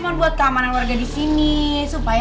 kalau kamu udah first time assistis